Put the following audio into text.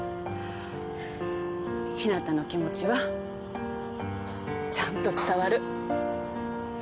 陽向の気持ちはちゃんと伝わる。